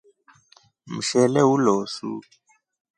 Mshele ulosu.